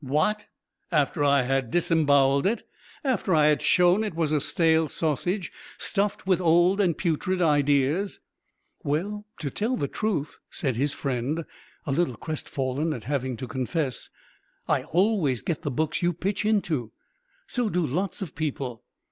"What! After I had disembowelled it; after I had shown it was a stale sausage stuffed with old and putrid ideas?" "Well, to tell the truth," said his friend, a little crestfallen at having to confess, "I always get the books you pitch into. So do lots of people.